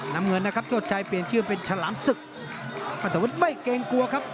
น้ำเงินนะครับโชชัยเปลี่ยนชื่อเป็นฉลามศึกไม่เกรงกลัวครับ